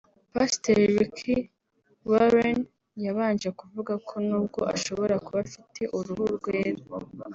Pasiteri Rick Warren yabanje kuvuga ko nubwo ashobora kuba afite uruhu rwera